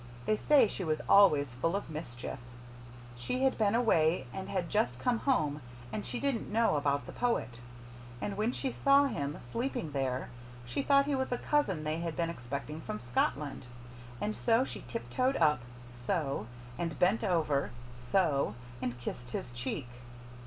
They say she was always full of mischief. She had been away and had just come home, and she didn't know about the Poet. But when she saw him, sleeping there, she thought he was a cousin they had been expecting from Scotland. And she tiptoed up so and bent over so and kissed his cheek.